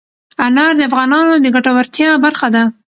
انار د افغانانو د ګټورتیا برخه ده.